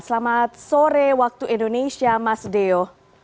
selamat sore waktu indonesia mas deo